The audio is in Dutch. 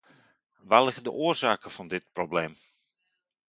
Waar liggen de oorzaken van dit probleem?